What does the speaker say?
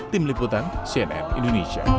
tim liputan cnn indonesia